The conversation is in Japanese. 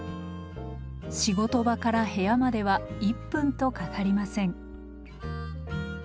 仕事場から部屋までは１分とかかりません。